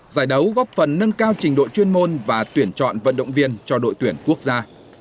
giải đấu góp phần nâng cao trình độ chuyên môn và tuyển chọn vận động viên cho đội tuyển quốc gia